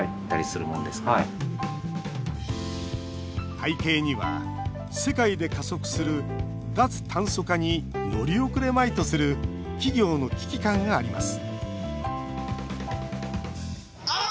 背景には世界で加速する脱炭素化に乗り遅れまいとする企業の危機感があります